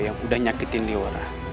yang udah nyakitin leora